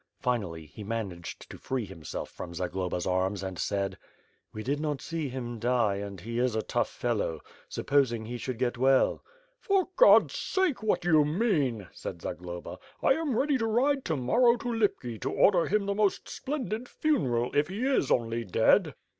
Finally, he managed to free himself from Zagloba's arms and sadd: "We did not see him die and he is a tough fellow — suppos ing he should get well!" "For God^s sake, what do you mean?" said Zagloba. "I am ready to ride to morrow to Lipki to order him the most splen did funeral, if he is only dead."